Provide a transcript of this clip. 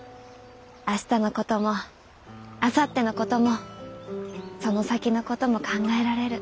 明日の事もあさっての事もその先の事も考えられる。